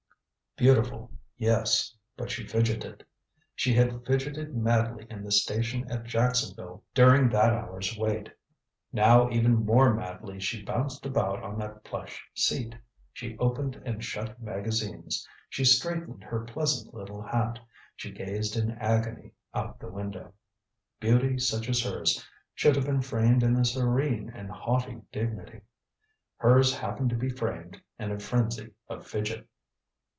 Beautiful, yes but she fidgeted. She had fidgeted madly in the station at Jacksonville during that hour's wait; now even more madly she bounced about on that plush seat. She opened and shut magazines, she straightened her pleasant little hat, she gazed in agony out the window. Beauty such as hers should have been framed in a serene and haughty dignity. Hers happened to be framed in a frenzy of fidget.